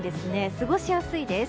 過ごしやすいです。